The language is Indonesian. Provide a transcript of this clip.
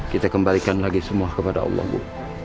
kita kembalikan lagi semua kepada allah bu